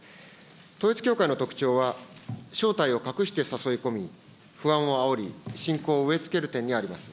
統一教会の特徴は、正体を隠して誘い込み、不安をあおり、信仰を植え付ける点にあります。